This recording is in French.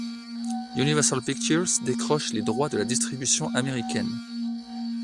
Universal Pictures décroche les droits de la distribution américaine.